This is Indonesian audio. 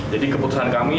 jadi keputusan kami